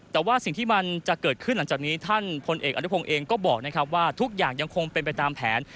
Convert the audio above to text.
แต่ว่าสิ่งที่มันจะเกิดขึ้นหลังจากนี้ท่านพลเอกอนุพงศ์เองก็บอกนะครับว่าทุกอย่างยังคงเป็นไปตามแผน